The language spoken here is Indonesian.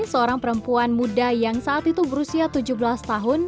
seorang perempuan muda yang saat itu berusia tujuh belas tahun